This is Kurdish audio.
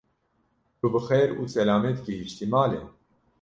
Tu bi xêr û silamet gihîştî malê?